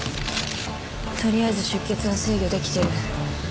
取りあえず出血は制御できてる。